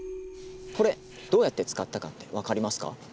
これどうやって使ったかって分かりますか？